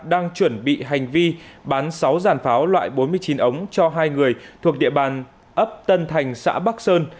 đang chuẩn bị hành vi bán sáu giàn pháo loại bốn mươi chín ống cho hai người thuộc địa bàn ấp tân thành xã bắc sơn